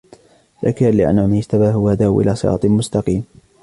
شَاكِرًا لِأَنْعُمِهِ اجْتَبَاهُ وَهَدَاهُ إِلَى صِرَاطٍ مُسْتَقِيمٍ